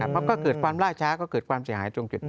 มันก็เกิดความล่าช้าก็เกิดความเสียหายตรงจุดนี้